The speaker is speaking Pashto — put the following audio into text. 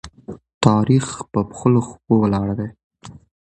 تاریخ د خپلو پښو ولاړ دی.